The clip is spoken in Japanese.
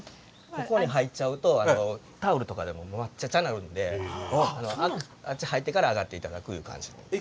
ここに入っちゃうとタオルとかでも真っ茶っ茶になるんであっち入ってから上がって頂くいう感じになります。